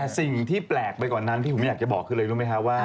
สิ่งที่แปลกไปกว่านั้นที่ผมอยากจะบอกคือเลยรู้ไหมคะว่า